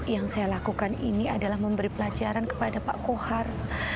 yang saya lakukan ini adalah memberi pelajaran kepada pak kohar